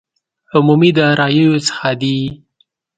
عمومي داراییو څخه دي.